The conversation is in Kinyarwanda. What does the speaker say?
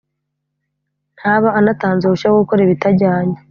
ntaba anatanze uruhushya rwo gukora ibitajyanye